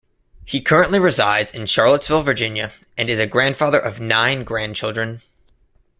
He currently resides in Charlottesville, Virginia and is a grandfather of nine grandchildren.